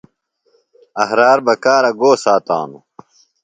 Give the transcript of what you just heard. احرار بکارہ گو ساتانوۡ؟